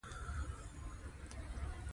علم د ستونزو په وړاندې انعطاف رامنځته کوي.